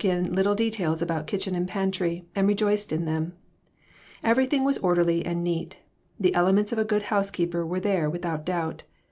1 2 I in little details about kitchen and pantry, and rejoiced in them. Everything was orderly and neat. The elements of a good housekeeper were there without doubt.